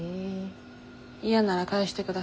嫌なら返して下さい。